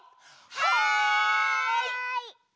はい！